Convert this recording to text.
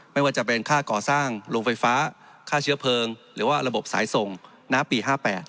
ไม่ว่าจะเป็นค่าก่อสร้างโรงไฟฟ้าค่าเชื้อเพลิงหรือว่าระบบสายส่งณปี๕๘